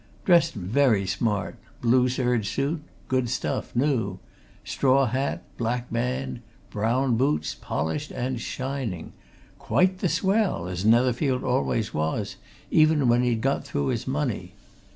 Dressed very smart. Blue serge suit good stuff, new. Straw hat black band. Brown boots polished and shining. Quite the swell as Netherfield always was, even when he'd got through his money.